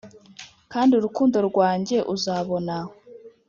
kandi urukundo rwanjye uzabona